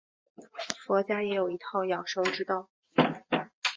佛家也有一套养生之道。